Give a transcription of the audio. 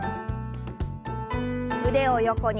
腕を横に。